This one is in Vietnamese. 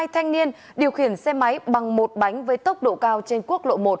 hai thanh niên điều khiển xe máy bằng một bánh với tốc độ cao trên quốc lộ một